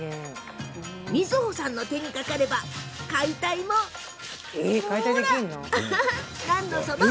みづほさんの手にかかれば解体も、何のその。